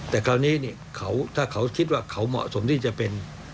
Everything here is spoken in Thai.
แต่คราวนี้ถ้าเขาคิดว่าเขาเหมาะสมที่จะเป็น